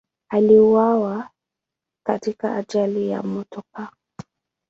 Aliuawa katika ajali ya motokaa.